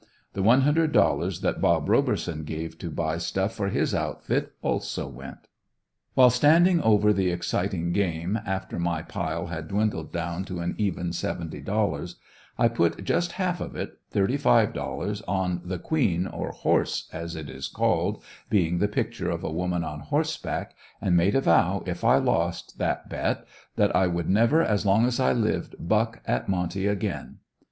The one hundred dollars that "Bob" Roberson gave to buy stuff for his outfit, also went. While standing over the exciting game, after my pile had dwindled down to an even seventy dollars, I put just half of it, thirty five dollars, on the Queen, or "horse," as it is called, being the picture of a woman on horseback, and made a vow, if I lost that bet that I never would as long as I lived, "buck" at monte again.